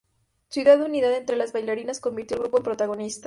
Su idea de unidad entre las bailarinas convirtió al grupo en protagonista.